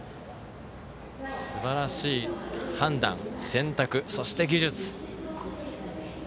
すばらしい判断、選択そして、技術。